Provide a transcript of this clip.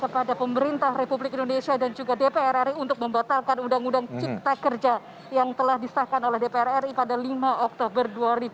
kepada pemerintah republik indonesia dan juga dpr ri untuk membatalkan undang undang cipta kerja yang telah disahkan oleh dpr ri pada lima oktober dua ribu dua puluh